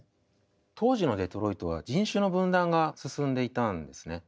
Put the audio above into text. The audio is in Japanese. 当時のデトロイトは人種の分断が進んでいたんですね。